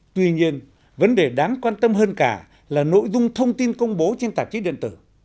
tuy nhiên vấn đề đáng quan tâm hơn cả là nội dung thông tin công bố trên tạp chí điện tử